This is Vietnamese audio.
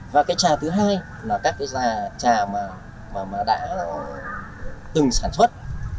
vâng ạ nam mô a di đà phật